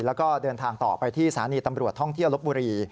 แล้วก็เดินทางต่อไปที่สถานีตำรวจท่องเที่ยวลบบุรี